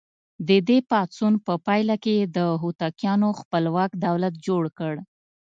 د دې پاڅون په پایله کې یې د هوتکیانو خپلواک دولت جوړ کړ.